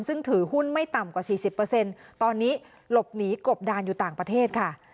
ซึ่งถือหุ้นไม่ต่ำกว่า๔๐ตอนนี้หลบหนีกบดานอยู่ต่างประเทศค่ะ